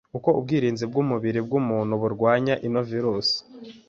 uko ubwirinzi bw'umubiri w'umuntu burwana n'iyo virusi